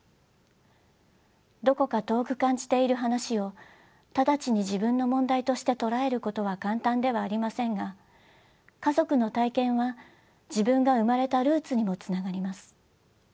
どこか遠く感じている話を直ちに自分の問題として捉えることは簡単ではありませんが家族の体験は自分が生まれたルーツにもつながります。